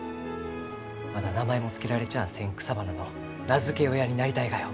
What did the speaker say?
まだ名前も付けられちゃあせん草花の名付け親になりたいがよ。